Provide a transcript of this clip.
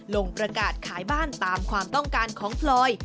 ลงประกาศขายบ้านตามความต้องการของพลอย